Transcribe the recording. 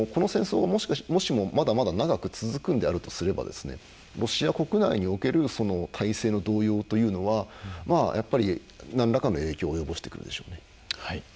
ただ、この戦争がもしもまだまだ長く続くのであるとすればロシア国内における体制の動揺というのは何らかの影響を及ぼしてくるでしょうね。